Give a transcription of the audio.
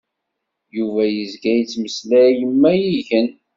Yuba yezga yettmeslay ma igen.